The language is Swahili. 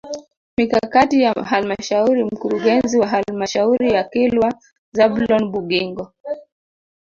Mikakati ya halmashauri Mkurugenzi wa Halmashauri ya Kilwa Zablon Bugingo